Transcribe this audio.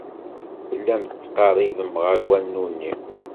Tellam tettqerribem ɣer wanu-nni.